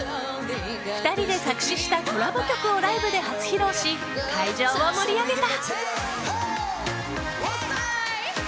２人で作詞したコラボ曲をライブで初披露し会場を盛り上げた。